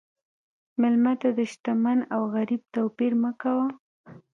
مېلمه ته د شتمن او غریب توپیر مه کوه.